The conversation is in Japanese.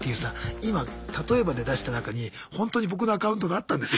今例えばで出した中にほんとに僕のアカウントがあったんですよ。